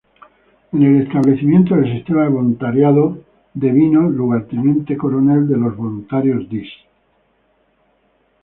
En el establecimiento del sistema de voluntariado devino lugarteniente -coronel de los voluntarios Diss.